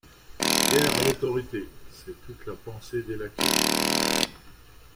Guerre à l'autorité, c'est toute la pensée des laquais.